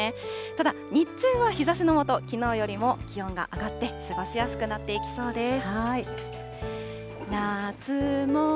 ただ、日中は日ざしの下、きのうよりも気温が上がって過ごしやすくなっていきそうです。